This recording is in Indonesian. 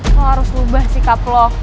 lo harus ubah sikap lo